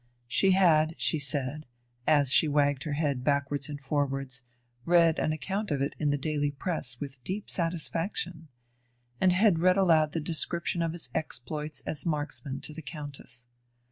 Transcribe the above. She had, she said, as she wagged her head backwards and forwards, "read an account of it in the daily press with deep satisfaction," and had read aloud the description of his exploits as marksman to the Countess.